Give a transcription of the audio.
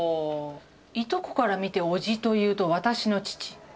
いとこから見ておじというと私の父。